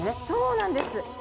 そうなんです。